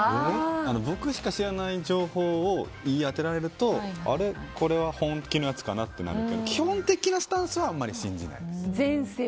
僕しか知らない情報を言い当てられると、これは本気のやつかなって思うけど基本的なスタンスはあんまり信じないです。